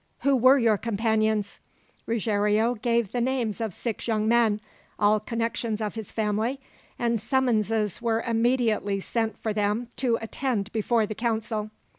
"Who were your companions?" Ruggiero gave the names of six young men, all connections of his family, and summonses were immediately sent for them to attend before the council.